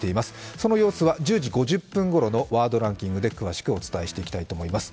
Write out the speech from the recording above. その様子は１０時５０分ごろのワードランキングでお伝えしていきたいと思います。